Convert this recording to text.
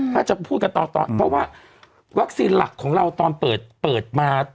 ถ้าจะพูดกันตอนเพราะว่าวัคซีนหลักของเราตอนเปิดมา